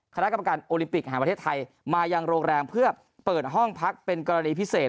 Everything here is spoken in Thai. คณะกรรมการโอลิมปิกแห่งประเทศไทยมายังโรงแรมเพื่อเปิดห้องพักเป็นกรณีพิเศษ